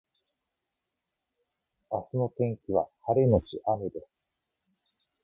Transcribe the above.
明日の天気は晴れのち雨です